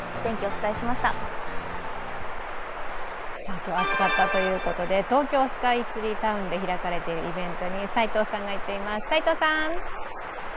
今日は暑かったということで、東京スカイツリータウンで開かれているイベントに齋藤さんが行っています。